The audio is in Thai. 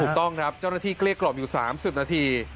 ถูกต้องครับเจ้าหน้าที่เกลี้ยกล่อมอยู่๓๐นาที